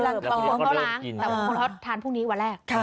ล้างพอแหละค่ะก็ก็ล้างทานพวกนี้วันแรก